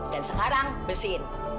dan sekarang bersihin